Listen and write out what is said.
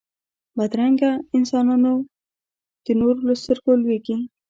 بدرنګه انسانونه د نورو له سترګو لوېږي